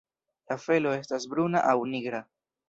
La felo estas bruna aŭ nigra.